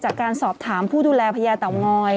จากการสอบถามผู้ดูแลพญาเต่างอย